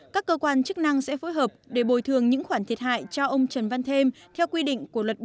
các cơ quan chức năng sẽ phối hợp để bồi thường những khoản thiệt hại cho ông trần văn thêm theo quy định của luật